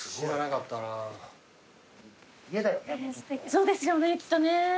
そうですよねきっとね。